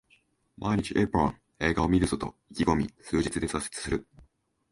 毎日一本、映画を観るぞと意気込み数日で挫折する